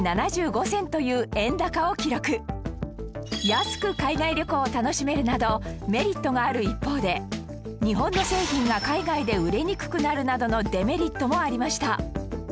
安く海外旅行を楽しめるなどメリットがある一方で日本の製品が海外で売れにくくなるなどのデメリットもありました